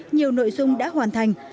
nhiều nội dung đã hoàn thành